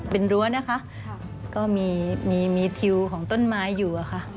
เป็นรั้วนะคะก็มีมีทิวของต้นไม้อยู่อะค่ะ